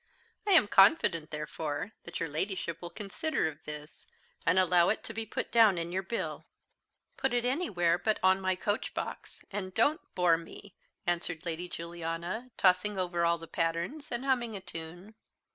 I am confident, therefore, that your Ladyship will consider of this, and allow it to be put down in your bill." "Put it anywhere but on my coach box, and don't bore me!" answered Lady Juliana, tossing over all the patterns, and humming a tune.